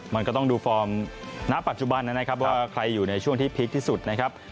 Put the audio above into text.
มันก็ต้องดูฟอร์มณปัจจุบันนะครับว่าใครอยู่ในช่วงที่พีคที่สุดนะครับ